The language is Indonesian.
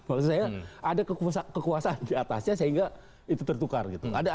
maksud saya ada kekuasaan diatasnya sehingga itu tertukar gitu